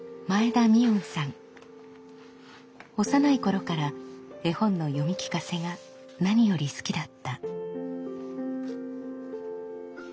幼い頃から絵本の読み聞かせが何より好きだった。